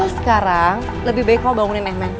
sekarang lebih baik kamu bangunin ehmen